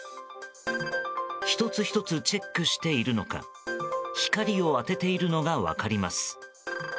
１つ１つチェックしているのか光を当てているのが分かります。